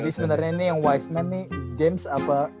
jadi sebenernya ini yang wiseman nih james apa